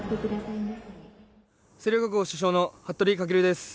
星稜高校主将の服部翔です。